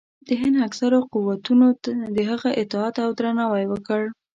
د هند اکثرو قوتونو د هغه اطاعت او درناوی وکړ.